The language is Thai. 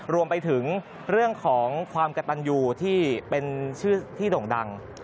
รวมไปถึงเรื่องของความกระตันอยู่ที่เป็นชื่อที่โด่งดัง